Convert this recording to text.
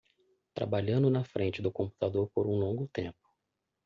Trabalhando na frente do computador por um longo tempo